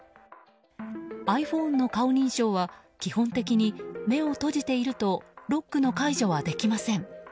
ｉＰｈｏｎｅの顔認証は基本的に目を閉じているとロックの解除はできません。